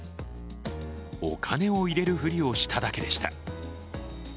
お金を入れるふりをしただけでした。